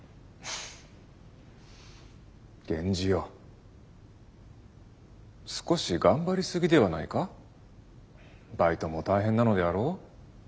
源氏よ少し頑張りすぎではないか？ばいとも大変なのであろう？